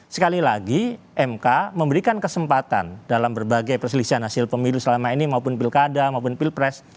sekali lagi mk memberikan kesempatan dalam berbagai perselisihan hasil pemilu selama ini maupun pilkada maupun pilpres